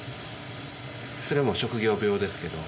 それもう職業病ですけど。